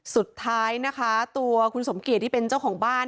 สุดท้ายนะคะตัวคุณสมเกียจที่เป็นเจ้าของบ้าน